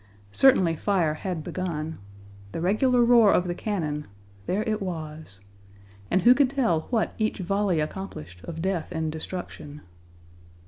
Certainly fire had begun. The regular roar of the cannon, there it was. And who could tell what each volley accomplished of death and destruction?